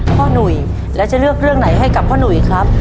หนุ่ยแล้วจะเลือกเรื่องไหนให้กับพ่อหนุ่ยครับ